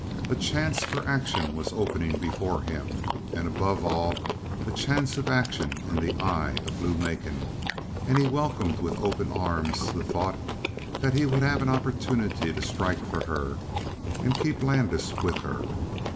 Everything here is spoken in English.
A chance for action was opening before him, and above all a chance of action in the eye of Lou Macon; and he welcomed with open arms the thought that he would have an opportunity to strike for her, and keep Landis with her.